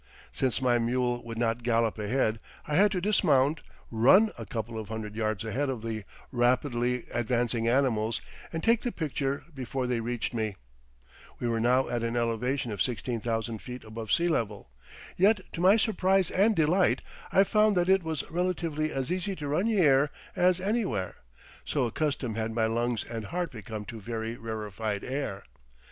Since my mule would not gallop ahead, I had to dismount, run a couple of hundred yards ahead of the rapidly advancing animals and take the picture before they reached me. We were now at an elevation of 16,000 feet above sea level. Yet to my surprise and delight I found that it was relatively as easy to run here as anywhere, so accustomed had my lungs and heart become to very rarefied air.